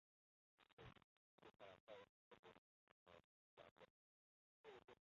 富察善属镶黄旗满洲沙济富察氏第八世。